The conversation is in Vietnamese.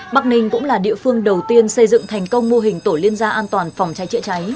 bắc ninh cũng là địa phương đầu tiên xây dựng thành công mô hình tổ liên gia an toàn phòng cháy chữa cháy